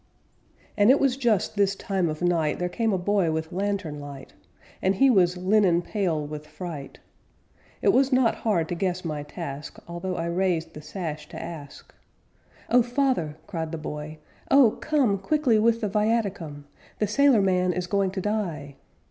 And it was just this time of night There came a boy with lantern light And he was linen pale with fright; It was not hard to guess my task, Although I raised the sash to ask 'Oh, Father,' cried the boy, 'Oh, come! Quickly with the viaticum! The sailor man is going to die!'